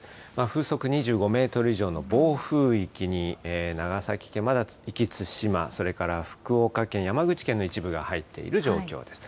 風速２５メートル以上の暴風域に長崎県、まだ壱岐、対馬、それから福岡県、山口県の一部が入っている状況です。